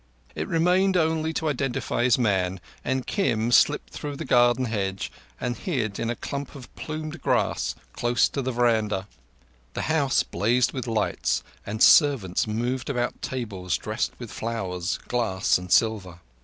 It remained only to identify his man, and Kim slipped through the garden hedge and hid in a clump of plumed grass close to the veranda. The house blazed with lights, and servants moved about tables dressed with flowers, glass, and silver.